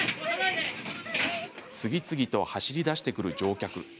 次々と走り出してくる乗客。